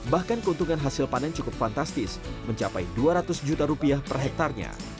bahkan keuntungan hasil panen cukup fantastis mencapai dua ratus juta rupiah per hektarnya